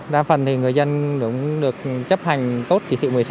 đa phần thì người dân cũng được chấp hành tốt chỉ thị một mươi sáu